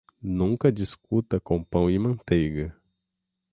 Nunca discuta com pão e manteiga.